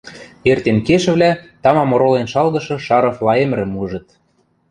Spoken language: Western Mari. Эртен кешӹвлӓ тамам оролен шалгышы Шаров Лаэмӹрӹм ужыт.